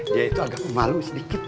dia itu agak malu sedikit